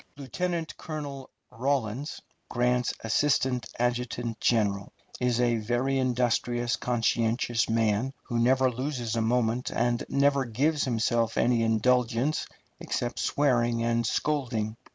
Lieutenant Colonel Rawlins, Grant's assistant adjutant general, is a very industrious, conscientious man, who never loses a moment, and never gives himself any indulgence except swearing and scolding.